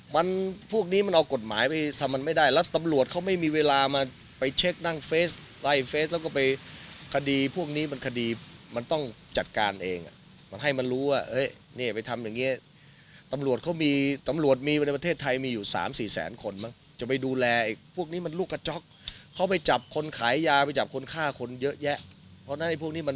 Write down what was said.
มันพวกนี้มันเอากฎหมายไปทำมันไม่ได้แล้วตำรวจเขาไม่มีเวลามาไปเช็คนั่งเฟสไล่เฟสแล้วก็ไปคดีพวกนี้มันคดีมันต้องจัดการเองอ่ะมันให้มันรู้ว่านี่ไปทำอย่างเงี้ยตำรวจเขามีตำรวจมีมาในประเทศไทยมีอยู่สามสี่แสนคนมั้งจะไปดูแลไอ้พวกนี้มันลูกกระจ๊อกเขาไปจับคนขายยาไปจับคนฆ่าคนเยอะแยะเพราะฉะนั้นไอ้พวกนี้มัน